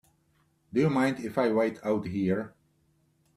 Do you mind if I wait out here?